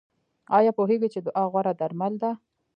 ایا پوهیږئ چې دعا غوره درمل ده؟